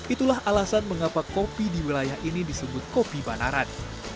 itulah alasan mengapa kopi di wilayah ini disebut kopi banaran